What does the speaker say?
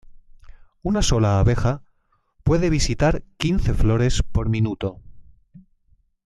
Una sola abeja puede visitar quince flores por minuto.